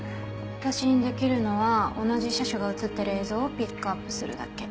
私にできるのは同じ車種が写ってる映像をピックアップするだけ。